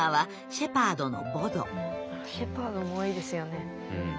シェパードも多いですよね。